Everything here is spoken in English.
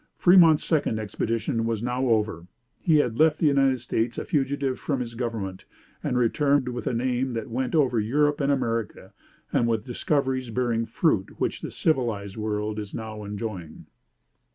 Fremont's second expedition was now over. He had left the United States a fugitive from his government, and returned with a name that went over Europe and America, and with discoveries bearing fruit which the civilized world is now enjoying."